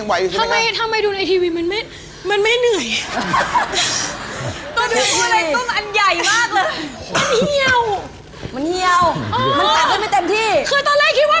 เหมือนจะได้ตังค์อ่ะ